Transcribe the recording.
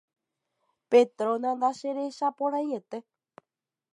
Petrona ndacherechaporãiete